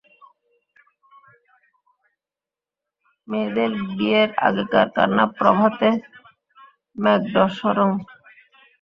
মেয়েদের বিয়ের আগেকার কান্না প্রভাতে মেঘডম্বরং।